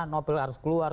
nopel harus keluar